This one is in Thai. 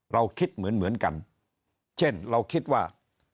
เราคิดเหมือนกันเช่นเราคิดว่า